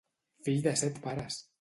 Fill de set pares!